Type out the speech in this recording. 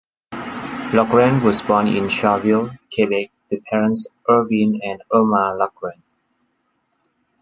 Laughren was born in Shawville, Quebec to parents Irvin and Erma Laughren.